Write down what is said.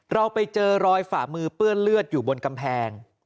เราไปเจอรอยฝ่ามือเปื้อนเลือดอยู่บนกำแพง